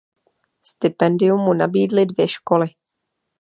Stipendium mu nabídly dvě školy.